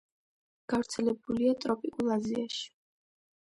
გავრცელებულია ტროპიკულ აზიაში.